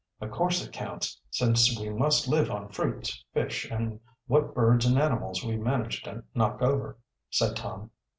"Of course it counts since we must live on fruits, fish, and what birds and animals we manage to knock over," said Tom.